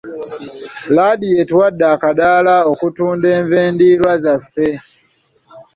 Laadiyo etuwadde akaddaala okutunda enva endiirwa zaffe